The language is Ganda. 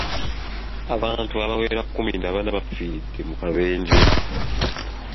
Abantu abawera kkumi na bana bafiiridde mu kabenje.